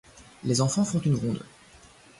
les enfants font une ronde